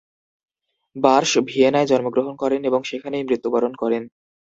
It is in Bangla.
বার্শ ভিয়েনায় জন্মগ্রহণ করেন এবং সেখানেই মৃত্যুবরণ করেন।